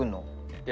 いや。